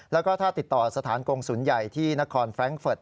แล้วก็ถ้าติดต่อสถานกงศูนย์ใหญ่ที่นครแร้งเฟิร์ต